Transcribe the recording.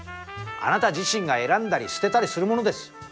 あなた自身が選んだり捨てたりするものです。